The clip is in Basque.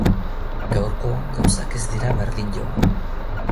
Gaurkoan gauzak ez dira berdin joan.